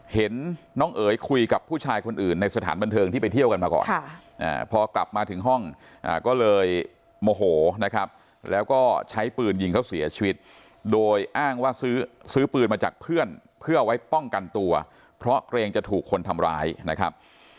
เห็นน้องเอ๋ยคุยกับผู้ชายคนอื่นในสถานบันเทิงที่ไปเที่ยวกันมาก่อนพอกลับมาถึงห้องก็เลยโมโหนะครับแล้วก็ใช้ปืนยิงเขาเสียชีวิตโดยอ้างว่าซื้อปืนมาจากเพื่อนเพื่อไว้ป้องกันตัวเพราะเกรงจะถูกคนทำร้ายนะครับ